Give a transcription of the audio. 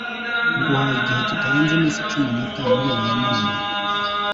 nguhaye igihe kitarenze iminsi cumi n itanu uhereye none